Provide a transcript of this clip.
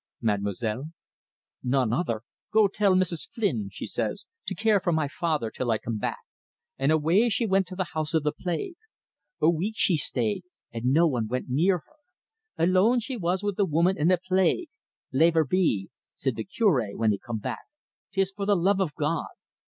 "Mademoiselle?" "None other. 'Go tell Mrs. Flynn,' says she, 'to care for my father till I come back,' an' away she wint to the house of plague. A week she stayed, an' no one wint near her. Alone she was with the woman and the plague. 'Lave her be,' said the Cure when he come back; ''tis for the love of God.